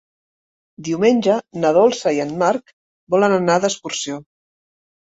Diumenge na Dolça i en Marc volen anar d'excursió.